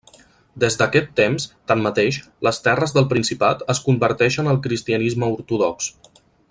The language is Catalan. Des d'aquest temps, tanmateix, les terres del principat es converteixen al Cristianisme ortodox.